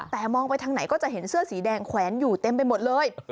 แต่มองไปทางไหนก็จะเห็นเสื้อสีแดงแขวนอยู่เต็มไปหมดเลย